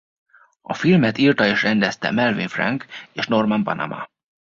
A filmet írta és rendezte Melvin Frank és Norman Panama.